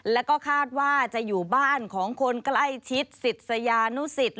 และก็คาดว่าจะอยู่บ้านของคนใกล้ชิดสิทธิ์สยานุสิทธิ์